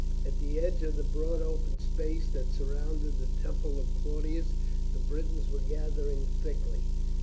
At the edge of the broad open space that surrounded the Temple of Claudius the Britons were gathering thickly.